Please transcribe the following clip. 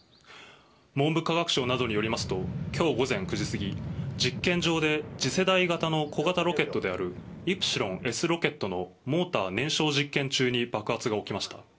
文部科学省などによりますと、きょう午前９時過ぎ、実験場で、次世代型の小型ロケットである、イプシロンＳロケットのモーター燃焼実験中に爆発が起きました。